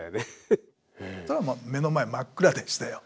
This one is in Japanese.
それはまあ目の前真っ暗でしたよ。